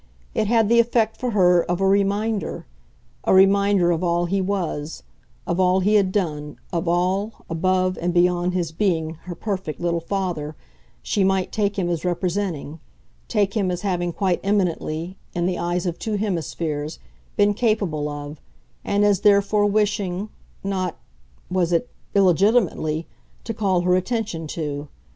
It had the effect, for her, of a reminder a reminder of all he was, of all he had done, of all, above and beyond his being her perfect little father, she might take him as representing, take him as having, quite eminently, in the eyes of two hemispheres, been capable of, and as therefore wishing, not was it? illegitimately, to call her attention to.